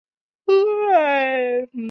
后来冯衍也投降了。